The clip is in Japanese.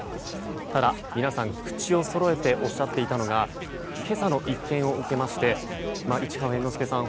ただ皆さん、口をそろえておっしゃっていたのが今朝の一件を受けまして市川猿之助さん